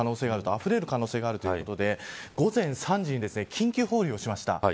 あふれる可能性があるということで午前３時に緊急放流をしました。